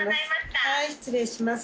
はい失礼します。